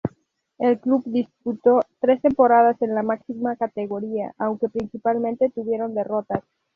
El club disputó tres temporadas en la máxima categoría, aunque principalmente tuvieron derrotas.